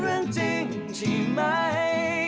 เรื่องจริงใช่ไหม